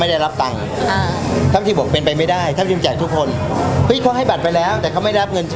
ท่านทีมบอกเป็นไปไม่ได้ท่านทีมแจกทุกคนเฮ้ยเขาให้บัตรไปแล้วแต่เขาไม่ได้รับเงิน